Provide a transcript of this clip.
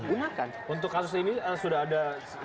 gunakan untuk kasus ini sudah ada